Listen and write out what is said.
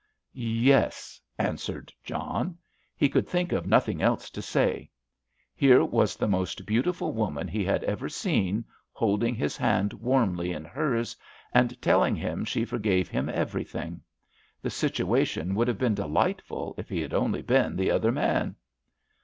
"Yes," answered John. He could think of nothing else to say. Here was the most beautiful woman he had ever seen, holding his hand warmly in hers, and telling him she forgave him everything. The situation would have been delightful if he had only been the other man!